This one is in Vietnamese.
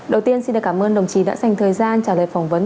đầu tiên xin được cảm ơn đồng chí đã dành thời gian trả lời phỏng vấn